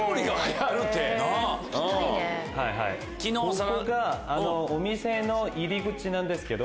ここがお店の入り口なんですけど。